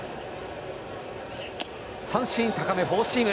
三振高めフォーシーム。